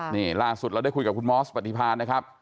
นี่ล่าสุดเราได้คุยกับคุณมอสปฏิพานนะครับ